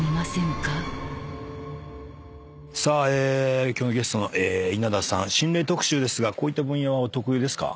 さあ今日のゲストの稲田さん心霊特集ですがこういった分野はお得意ですか？